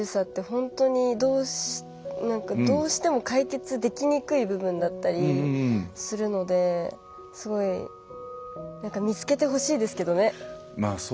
本当にどうしても解決できにくい部分だったりするのですごい見つけてほしいですけどね。